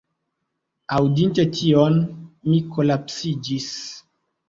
Aŭdinte tion, mi kolapsiĝis.